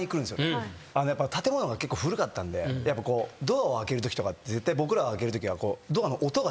建物が結構古かったんでドアを開けるときとか絶対僕らが開けるときは。